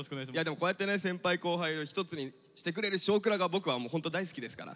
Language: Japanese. こうやってね先輩後輩を一つにしてくれる「少クラ」が僕はホント大好きですから。